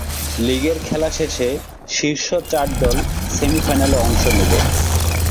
লীগের খেলা শেষে শীর্ষ চার দল সেমি-ফাইনালে অংশ নিবে।